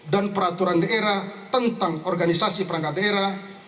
dan peraturan daerah tentang organisasi perangkat daerah